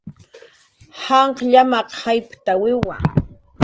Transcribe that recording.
Janq' llamaq jayptawiwa